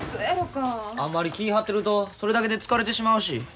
あんまり気ぃ張ってるとそれだけで疲れてしまうし。